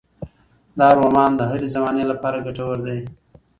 دا رومان د هرې زمانې لپاره ګټور دی.